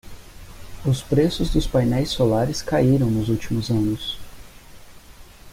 Os preços dos painéis solares caíram nos últimos anos.